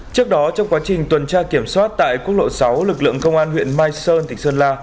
trước đó trong quá trình tuần tra kiểm soát tại quốc lộ sáu lực lượng công an huyện mai sơn tỉnh sơn la